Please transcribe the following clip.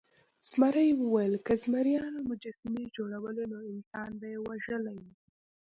زمري وویل که زمریانو مجسمې جوړولی نو انسان به یې وژلی و.